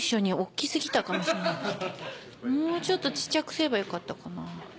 もうちょっと小っちゃくすればよかったかな。